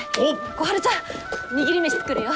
小春ちゃん握り飯作るよ！